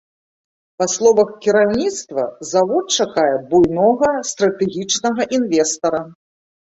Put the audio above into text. Па словах кіраўніцтва, завод чакае буйнога стратэгічнага інвестара.